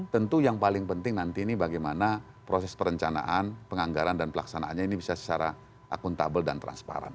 tentu yang paling penting nanti ini bagaimana proses perencanaan penganggaran dan pelaksanaannya ini bisa secara akuntabel dan transparan